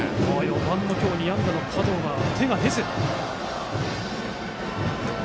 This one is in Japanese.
今日２安打の加藤も手が出ず。